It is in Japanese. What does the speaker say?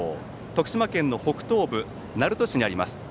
徳島県の北東部鳴門市にあります。